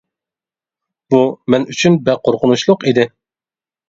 بۇ مەن ئۈچۈن بەك قورقۇنچلۇق ئىدى.